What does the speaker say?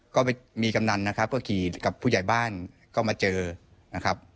ก็มีกำนันนะครับก็ขี่กับผู้ใหญ่บ้านก็มาเจอนะครับ